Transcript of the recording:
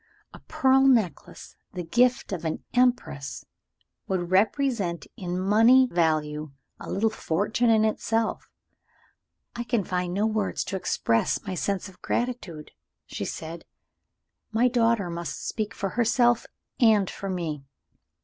A pearl necklace, the gift of an Empress, would represent in money value a little fortune in itself. "I can find no words to express my sense of gratitude," she said; "my daughter must speak for herself and for me."